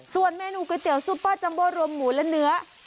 ส่วนเมนูก๋วยเตี๋ซุปเปอร์จัมโบรวมหมูและเนื้อ